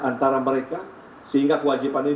antara mereka sehingga kewajiban ini